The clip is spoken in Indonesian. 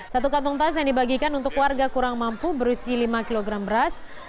satu kantong tas yang dibagikan untuk warga kurang mampu berisi lima kg beras